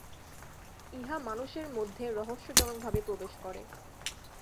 ইহা মানুষের মধ্যে রহস্যজনকভাবে প্রবেশ করে।